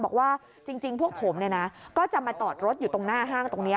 บอกว่าจริงพวกผมจะมาตอดรถอยู่ตรงหน้าห้างชีวิต